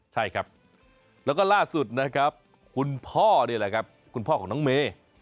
ใช่ครับและล่าสุดนะครับคุณพ่อเนี่ยเลยครับคุณพ่อกลังเม